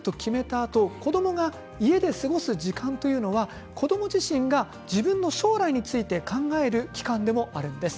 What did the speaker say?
あと子どもが家で過ごす時間というのは子ども自身が自分の将来について考える期間でもあるんです。